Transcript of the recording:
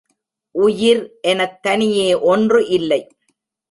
உயிர் எனத் தனியே ஒன்று இல்லை.